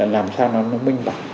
làm sao nó minh bản